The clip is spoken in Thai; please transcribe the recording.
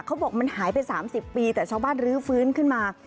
เขาบอกมันหายไป๓๐ปีแต่ชาวบ้านรื้อฟื้นขึ้นมา